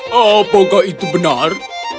hah apakah itu benar